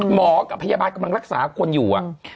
กับพยาบาลกำลังรักษาคนอยู่